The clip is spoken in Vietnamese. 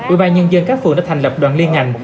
ủy ban nhân dân các phường đã thành lập đoàn liên ngành